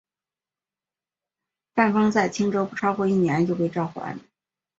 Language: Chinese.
范讽在青州不超过一年就被召还。